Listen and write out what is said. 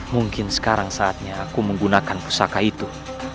mungkin sekarang saatnya aku menggunakan pusaka itu